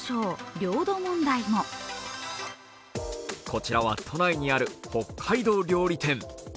こちらは都内にある北海道料理店。